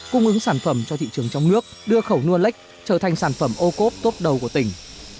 cung ứng sản phẩm cho thị trường trong nước đưa khẩu nua lếch trở thành sản phẩm ô cốp tốt đầu của tỉnh